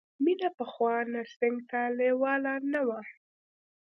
مینه پخوا نرسنګ ته لېواله نه وه